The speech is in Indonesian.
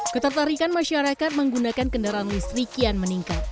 ketertarikan masyarakat menggunakan kendaraan listrik kian meningkat